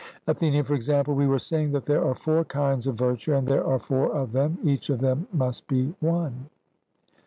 ATHENIAN: For example, we were saying that there are four kinds of virtue, and as there are four of them, each of them must be one.